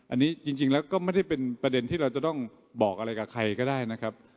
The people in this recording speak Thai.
อันนี้จริงแล้วก็ไม่ได้เป็นประเด็นที่เราจะต้องบอกอะไรกับใครก็ได้นะครับ